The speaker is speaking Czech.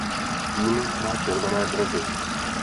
Tým má červené dresy.